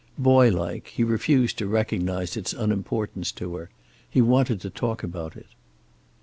Boylike, he refused to recognize its unimportance to her. He wanted to talk about it.